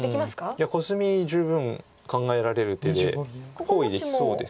いやコスミ十分考えられる手で包囲できそうです。